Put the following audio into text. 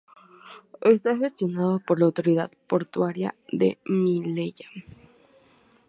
Está gestionado por la autoridad portuaria de Melilla.